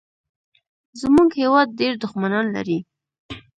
زمونږ هېواد ډېر دوښمنان لري